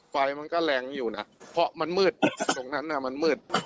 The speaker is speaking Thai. ไฟมันก็แรงอยู่นะเพราะมันมืดตรงนั้นน่ะมันมืด